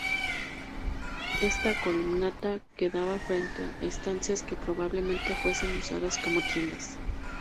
Esta columnata quedaba frente a estancias que probablemente fuesen usadas como tiendas.